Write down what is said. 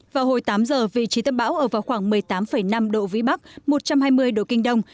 vào hồi tám giờ vị trí tâm bão ở vào khoảng một mươi tám năm độ vĩ bắc một trăm hai mươi độ kinh đông